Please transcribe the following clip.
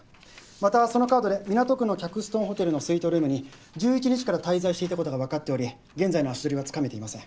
またそのカードで港区のキャクストンホテルのスイートルームに１１日から滞在していたことがわかっており現在の足取りは掴めていません。